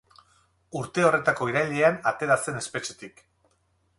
Urte horretako irailean atera zen espetxetik.